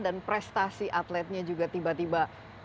dan prestasi atletnya juga tiba tiba